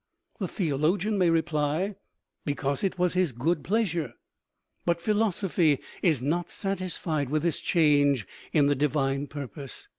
The theologian may reply :" Because it was his good pleasure. " But philosophy is not satisfied with this change in the divine purpose.